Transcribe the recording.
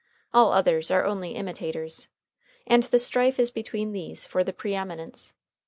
All others are only imitators. And the strife is between these for the pre eminence.